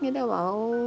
người ta bảo